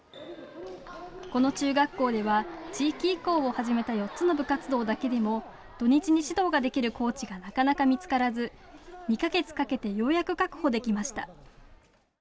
この中学校では地域移行を始めた４つの部活動だけでも土日に指導ができるコーチがなかなか見つからず２か月かけてようやく確保できました。